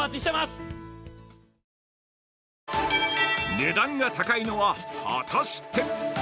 ◆値段が高いのは果たして。